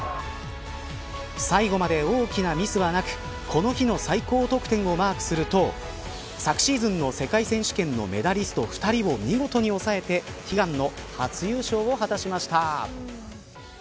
最後まで大きなミスはなくこの日の最高得点をマークすると昨シーズンの世界選手権のメダリスト２人を見事に抑えて悲願の初優勝を果たしました。